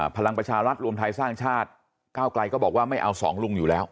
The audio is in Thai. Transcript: พลังประชารัฐรวมไทยสร้างชาติก้าวไกลก็บอกว่าไม่เอาสองลุงอยู่แล้ว